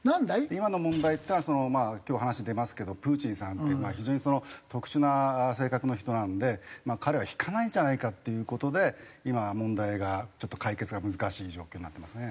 今の問題っていうのはまあ今日話に出ますけどプーチンさんっていう非常に特殊な性格の人なんで彼は引かないんじゃないかっていう事で今は問題がちょっと解決が難しい状況になってますね。